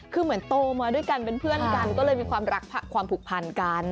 คือเหมือนโตมาด้วยกันเป็นเพื่อนกันก็เลยมีความรักความผูกพันกัน